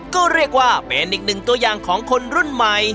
ก็เรียกว่าเป็นอีกหนึ่งตัวอย่างของคนรุ่นใหม่